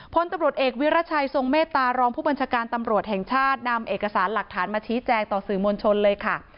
พลตำรวจเอกวิรัชัยทรงเมตตารองผู้บัญชาการตำรวจแห่งชาตินำเอกสารหลักฐานมาชี้แจงต่อสื่อมวลชนเลยค่ะ